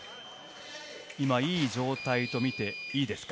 今、いい状態とみていいですか？